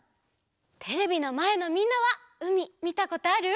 テレビのまえのみんなはうみみたことある？